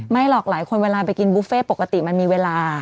หรอกหลายคนเวลาไปกินบุฟเฟ่ปกติมันมีเวลา